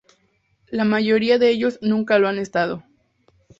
La mayoría de ellos nunca lo han estado.